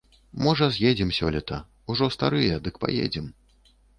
Можа з'едзем сёлета, ужо старыя, дык паедзем.